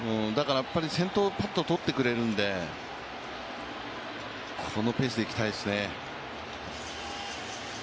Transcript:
先頭ぱっと取ってくれるんで、このペースでいきたいですね。